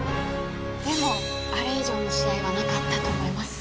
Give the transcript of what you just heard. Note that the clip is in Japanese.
でもあれ以上の試合はなかったと思います。